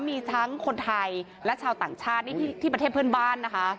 มีทั้งคนไทยและชาวต่างชาตินี่ที่ประเทศเพื่อนบ้านนะคะ